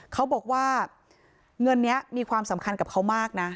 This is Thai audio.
เขาบอกว่าเงินนี้มีความสำคัญกับเขามากนะ